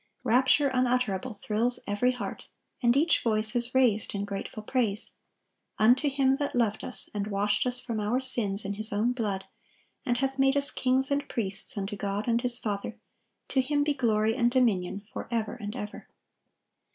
Rapture unutterable thrills every heart, and each voice is raised in grateful praise: "Unto Him that loved us, and washed us from our sins in His own blood, and hath made us kings and priests unto God and His Father; to Him be glory and dominion forever and ever."